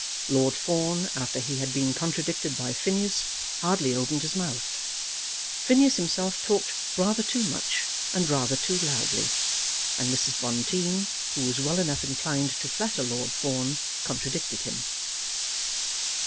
Lord Fawn, after he had been contradicted by Phineas, hardly opened his mouth. Phineas himself talked rather too much and rather too loudly; and Mrs. Bonteen, who was well enough inclined to flatter Lord Fawn, contradicted him.